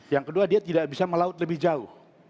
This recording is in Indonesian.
yang kedua dia tidak bisa melaut lebih jauh